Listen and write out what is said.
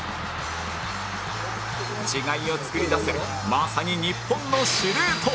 違いを作り出せるまさに日本の司令塔